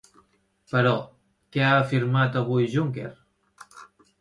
Però, què ha afirmat avui Juncker?